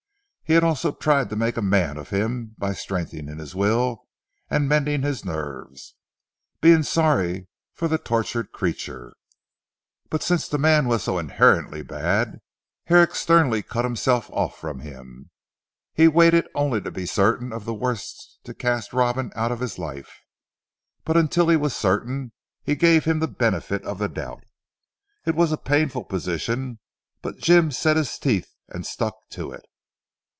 He had also tried to make a man of him by strengthening his will and mending his nerves, being sorry for the tortured creature. But since the man was so inherently bad Herrick sternly cut himself off from him. He waited only to be certain of the worst to cast Robin out of his life. But until he was certain, he gave him the benefit of the doubt. It was a painful position, but Jim set his teeth and stuck to it.